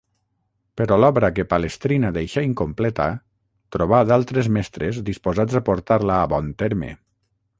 Però l'obra que Palestrina deixà incompleta trobà d'altres mestres disposats a portar-la a bon terme.